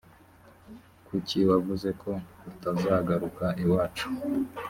kuki wavuze ko utazagaruka iwacu